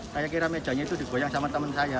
saya kira mejanya itu digoyang sama teman saya